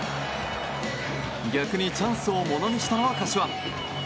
逆にチャンスを物にしたのは柏。